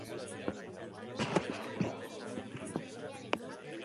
Patronalak langabeziak okerrera egingo duela dio eta sindikatuek langileak babestu nahi dituzte.